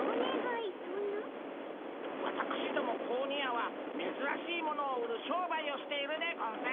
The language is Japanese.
わたくしども子鬼屋はめずらしいものを売る商売をしているでゴンス。